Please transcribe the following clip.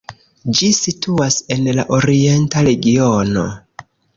Ĝi situas en la Orienta regiono.